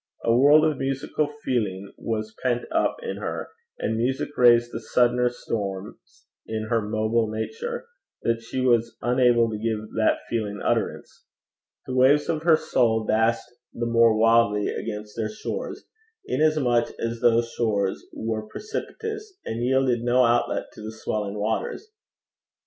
A world of musical feeling was pent up in her, and music raised the suddener storms in her mobile nature, that she was unable to give that feeling utterance. The waves of her soul dashed the more wildly against their shores, inasmuch as those shores were precipitous, and yielded no outlet to the swelling waters.